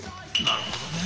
なるほどね。